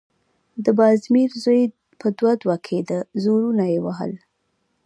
د بازمير زوی په دوه_ دوه کېده، زورونه يې وهل…